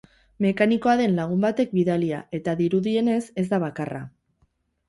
Mekanikoa den lagun batek bidalia eta dirudienez ez da bakarra.